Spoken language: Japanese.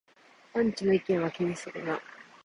アンチの意見は気にするな